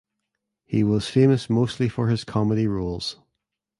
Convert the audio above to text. He was famous mostly for his comedy roles.